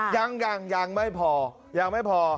ยังยังไม่พอยังไม่พอ